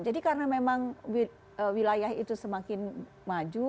jadi karena memang wilayah itu semakin maju